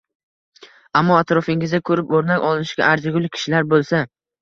Ammo atrofingizda ko’rib o’rnak olishga arzigulik kishilar bo’lsa